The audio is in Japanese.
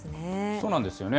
そうなんですよね。